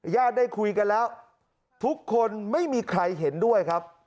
ได้คุยกันแล้วทุกคนไม่มีใครเห็นด้วยครับ